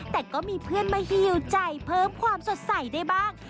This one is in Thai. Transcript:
แต่ก็มีเพื่อนมาฮิวใจเพิ่มความสดใสได้บ้าง